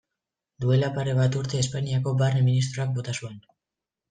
Duela pare bat urte Espainiako Barne ministroak bota zuen.